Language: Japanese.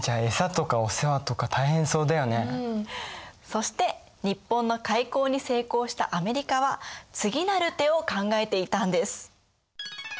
そして日本の開港に成功したアメリカは次なる手を考えていたんです。